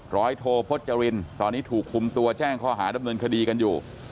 เลยโทโพธหญิงตอนนี้ถูกคุมตัวแจ้งข้อหารบนเงินคดีกันอยู่